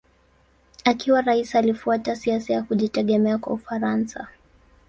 Akiwa rais alifuata siasa ya kujitegemea kwa Ufaransa.